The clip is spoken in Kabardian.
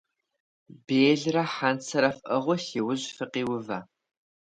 Белырэ хьэнцэрэ фӀыгъыу си ужь фыкъиувэ.